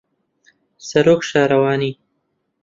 سەرۆک شارەوانی